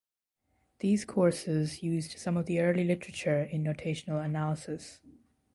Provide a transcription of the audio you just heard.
These courses used some of the early literature in notational analysis.